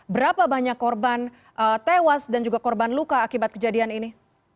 berapa banyak korban tewas dan juga korban luka akibat kejadian ini